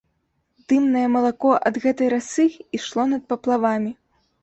Дымнае малако ад гэтай расы ішло над паплавамі.